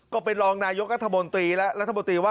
ก็เป็นรองนายกรัฐมนตรีแล้ว